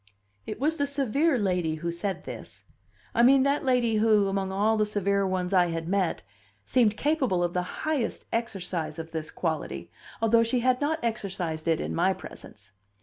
It was the severe lady who said this; I mean that lady who, among all the severe ones I had met, seemed capable of the highest exercise of this quality, although she had not exercised it in my presence.